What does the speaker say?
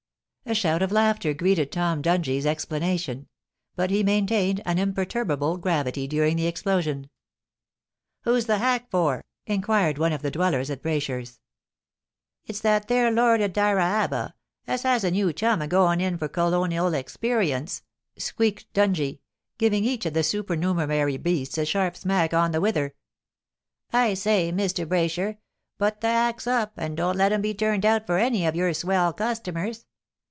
A shout of laughter greeted Tom Dungie's explanation ; but he maintained an imperturbable gravity during the explosion. 'Who's the hack for?' inquired one of the dwellers at Braysher's. ' It's that there lord at Dyraaba as has a new chum agoin' in for colonial experience,' squeaked Dungie, giving each of the supernumerary beasts a sharp smack on the wither. * I say, Mr. Braysher, put the 'acks up, and don't let 'em be turned out for any of your swell customers.